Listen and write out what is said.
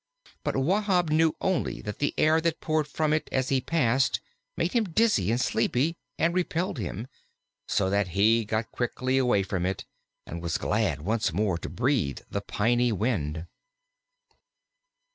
But Wahb knew only that the air that poured from it as he passed made him dizzy and sleepy, and repelled him, so that he got quickly away from it and was glad once more to breathe the piny wind.